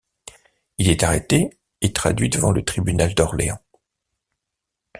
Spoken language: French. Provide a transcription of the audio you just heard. Il est arrêté et traduit devant le tribunal d'Orléans.